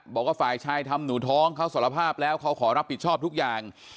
บอกว่าฝ่ายชายทำหนูท้องเขาสารภาพแล้วเขาขอรับผิดชอบทุกอย่าง